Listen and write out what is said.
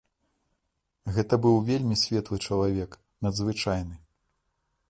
Гэта быў вельмі светлы чалавек, надзвычайны.